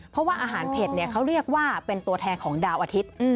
เพราะว่าอาหารเผ็ดเขาเรียกว่าเป็นตัวแทนของดาวอาทิตย์